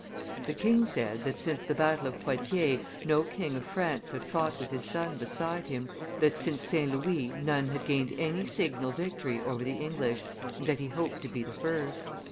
The king said that since the battle of Poitiers no king of France had fought with his son beside him, that since St. Louis none had gained any signal victory over the English, and that he hoped to be the first.